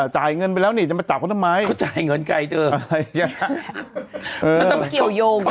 จ่ายเงินไปแล้วนี่จะมาจับเขาทำไมเขาจ่ายเงินไกลเถอะอะไรอย่างนี้